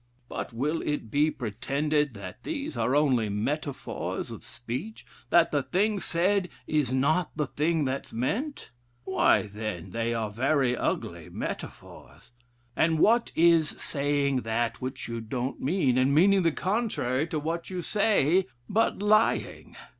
But will it be pretended, that these are only metaphors of speech, that the thing said is not the thing that's meant? Why, then, they are very ugly metaphors. And what is saying that which you don't mean, and meaning the contrary to what you say, but lying?